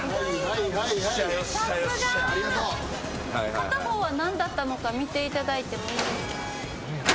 片方は何だったのか見ていただいてもいいですか？